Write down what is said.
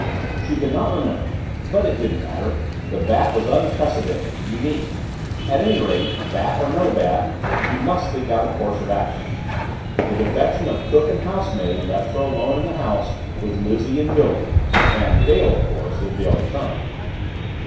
She could not remember. But it didn't matter. The Bat was unprecedented unique. At any rate, Bat or no Bat, she must think out a course of action. The defection of cook and housemaid left her alone in the house with Lizzie and Billy and Dale, of course, if Dale returned.